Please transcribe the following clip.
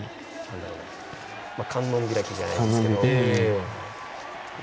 観音開きじゃないですけど。